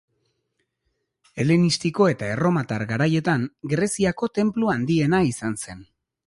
Helenistiko eta erromatar garaietan, Greziako tenplu handiena izan zen.